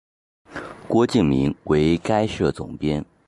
郭敬明为该社总编。